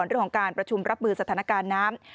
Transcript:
เรื่องของการประชุมรับมือสถานการณ์น้ำ